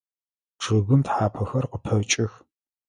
Чъыгым тхьапэхэр къыпэкӏэх.